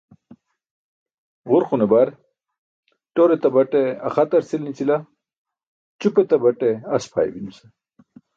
Ġurqune bar "ṭor etabaṭe axtar cʰil nićila, ćup etabaṭe as pʰaaybi nuse.